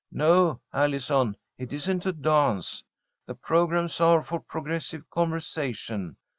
No, Allison, it isn't a dance. The programmes are for progressive conversation.